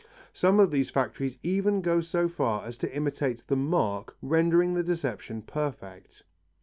Some of these factories even go so far as to imitate the mark, rendering the deception perfect.